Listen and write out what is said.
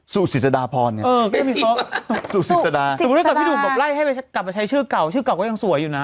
สู่ศิษฎาพรเออสู่ศิษฎาสมมุติกับพี่หนูแบบไล่ให้ไปกลับมาใช้ชื่อเก่าชื่อเก่าก็ยังสวยอยู่น่ะ